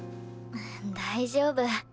大丈夫。